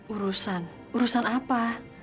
urusan urusan apa